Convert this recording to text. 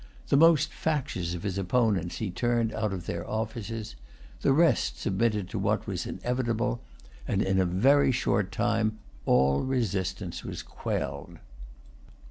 The most factious of his opponents he turned out of their offices. The rest submitted to what was inevitable; and in a very short time all resistance was quelled.